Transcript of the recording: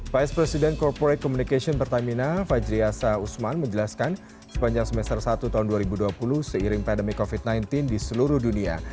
vice president corporate communication pertamina fajri asa usman menjelaskan sepanjang semester satu tahun dua ribu dua puluh seiring pandemi covid sembilan belas di seluruh dunia